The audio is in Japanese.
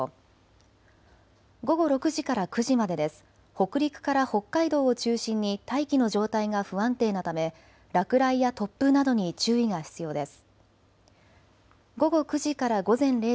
北陸から北海道を中心に大気の状態が不安定なため落雷や突風などに注意が必要です。